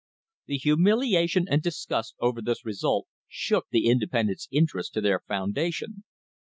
The humiliation and disgust over this result shook the independents' interests to their foundation.